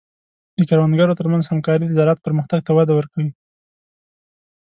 د کروندګرو تر منځ همکاري د زراعت پرمختګ ته وده ورکوي.